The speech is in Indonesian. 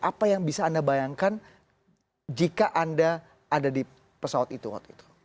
apa yang bisa anda bayangkan jika anda ada di pesawat itu waktu itu